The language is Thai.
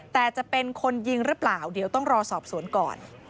แต่จะเป็นคนยิงหรือเปล่าเดี๋ยวต้องรอสอบสวนก่อน